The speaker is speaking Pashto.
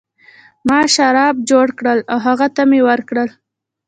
ما شراب جوړ کړل او هغه ته مې ورکړل.